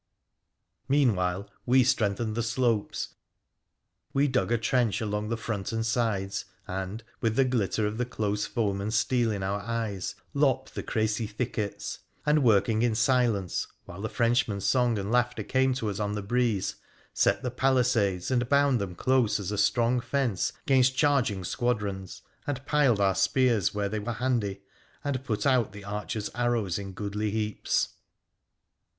Meanwhile, we strengthened the slopes. We dug a trench along the front and sides, and, with the glitter of the close foeman's steel in our eyes, lopped the Crecy thickets. And, working in silence (while the Frenchman's song and laughter came tc us on the breeze), set the palisades, and bound them close as a strong fence 'gainst charging squadrons, and piled our spears where they were handy, and put out the archers' arrows in goodly heaps.